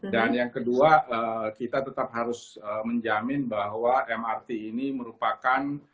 dan yang kedua kita tetap harus menjamin bahwa mrt ini merupakan